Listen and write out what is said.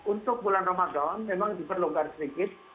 untuk bulan ramadan memang diperlukan sedikit